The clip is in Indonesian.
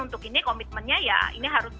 untuk ini komitmennya ya ini harus